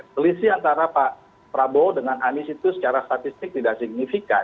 selisih antara pak prabowo dengan anies itu secara statistik tidak signifikan